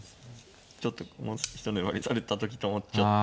ちょっともう一粘りされた時と思っちゃったのが。